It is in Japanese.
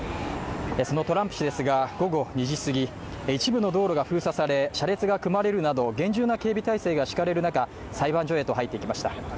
そのトランプ氏ですが、午後２時すぎ、一部の道路が封鎖され、車列が組まれるなど厳重な警備体制が敷かれる中、裁判所へと入っていきました。